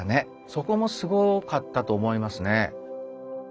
そこもすごかったと思いますね。